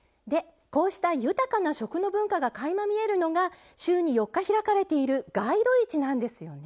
こうした豊かな食の文化がかいま見えるのが週に４日開かれている街路市なんですよね。